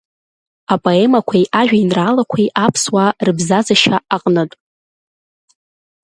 Апоемақәеи ажәеинраалақәеи аԥсуаа рыбзазашьа аҟнытә.